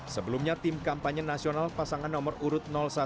sebelumnya tim kampanye nasional pasangan nomor urut satu